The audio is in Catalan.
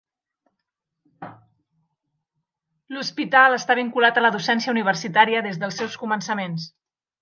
L'hospital està vinculat a la docència universitària des dels seus començaments.